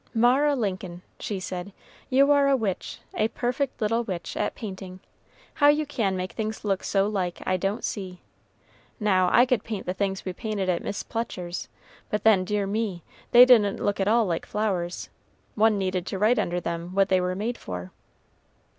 "Mara Lincoln," she said, "you are a witch, a perfect little witch, at painting. How you can make things look so like, I don't see. Now, I could paint the things we painted at Miss Plucher's; but then, dear me! they didn't look at all like flowers. One needed to write under them what they were made for."